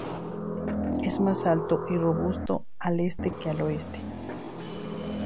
Es más alto y robusto al este que al oeste.